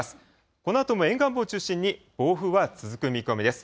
このあとも沿岸部を中心に暴風は続く見込みです。